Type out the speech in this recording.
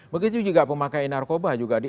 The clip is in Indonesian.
begitu juga pemakai narkoba juga